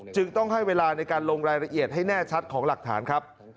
จึงต้องให้เวลาในการลงรายละเอียดให้แน่ชัดของหลักฐานครับ